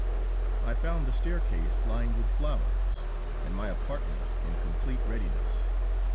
I found the staircase lined with flowers, and my apartment in complete readiness.